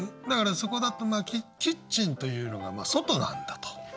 だからそこだとキッチンというのが外なんだと。